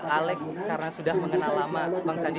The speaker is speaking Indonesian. alex karena sudah mengenal lama bang sandi